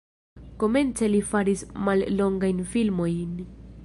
Komence li faris mallongajn filmojn.